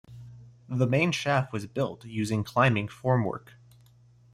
The main shaft was built using climbing formwork.